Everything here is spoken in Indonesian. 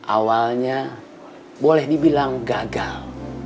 awalnya boleh dibilang gagal